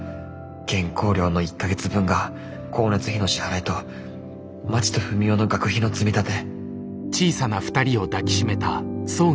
原稿料の１か月分が光熱費の支払いとまちとふみおの学費の積み立て。